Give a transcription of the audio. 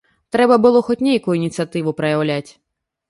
Трэба было хоць нейкую ініцыятыву праяўляць.